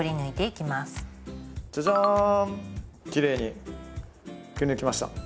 きれいにくりぬきました。